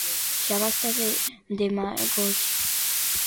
¡Xa basta de demagoxia!